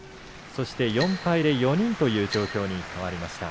そして、４敗で４人という状況に変わりました。